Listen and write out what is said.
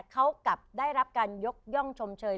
เขากลับได้รับการยกย่องชมเชย